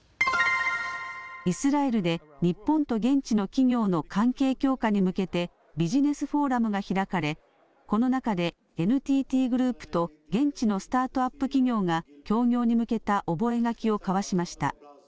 イスラエルで日本と現地の企業の関係強化に向けてビジネスフォーラムが開かれこの中でＮＴＴグループと現地のスタートアップ企業が協業に向けた覚え書きを交わしました。